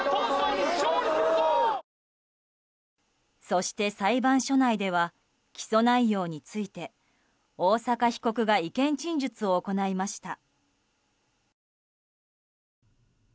そして、裁判所内では起訴内容について、大坂被告が意見陳述を行いました。